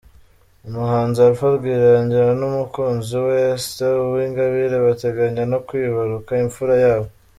Umuhanzi Alpha Rwirangira n’umukunzi we Esther Uwingabire bateganya no kwibaruka imfura yabo.